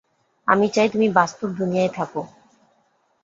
আমি চাই তুমি বাস্তব দুনিয়ায় থাকো।